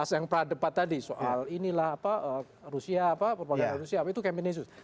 yang pra debat tadi soal inilah apa rusia apa perbagian rusia itu campaign isu